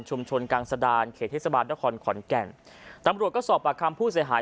กลางสดานเขตเทศบาลนครขอนแก่นตำรวจก็สอบปากคำผู้เสียหาย